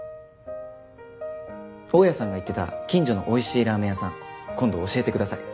大家さんが言ってた近所の美味しいラーメン屋さん今度教えてください。